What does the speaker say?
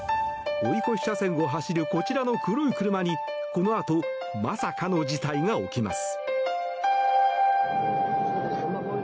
追い越し車線を走るこちらの黒い車にこのあとまさかの事態が起きます。